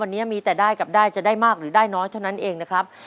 วันนี้มีแต่ได้กับได้จะได้มากหรือได้น้อยเท่านั้นเองนะครับ